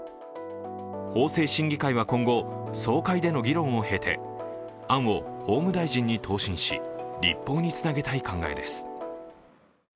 法制審議会は今後、総会での議論を経て案を法務大臣に答申し、立法につなげたい考えです。